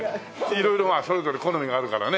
色々まあそれぞれ好みがあるからね。